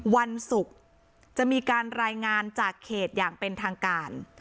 วันศุกร์จะมีการรายงานจากเขตอย่างเป็นทางการ